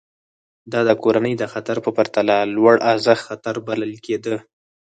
دا د کورنۍ د خطر په پرتله لوړارزښت خطر بلل کېده.